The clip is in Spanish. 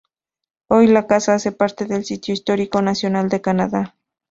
Hoy, la casa hace parte del Sitio Histórico Nacional de Canadá.